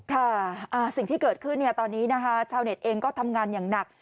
ค่ะสิ่งที่เกิดขึ้นตอนนี้นะคะชาวเน็ตเองก็ทำงานอย่างหนัก